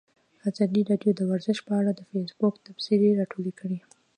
ازادي راډیو د ورزش په اړه د فیسبوک تبصرې راټولې کړي.